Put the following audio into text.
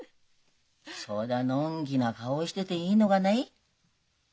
そだのんきな顔してていいのかない？